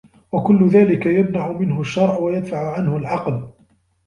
وَكُلُّ ذَلِكَ يَمْنَعُ مِنْهُ الشَّرْعُ وَيَدْفَعُ عَنْهُ الْعَقْلُ